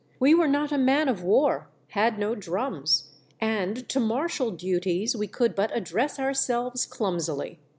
We were not a man of war, had no drums, and to martial duties we could but address ourselves clum sily.